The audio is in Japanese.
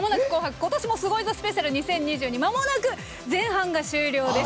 今年もすごいぞスペシャル２０２２」まもなく、前半が終了です。